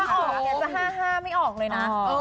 คือถ้าออกกันจะฮ่าฮ่าไม่ออกเลยนะ